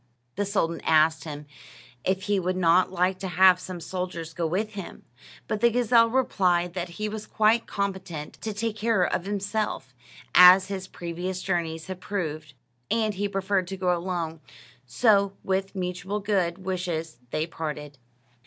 The sultan asked him if he would not like to have some soldiers go with him; but the gazelle replied that he was quite competent to take care of himself, as his previous journeys had proved, and he preferred to go alone; so with mutual good wishes they parted.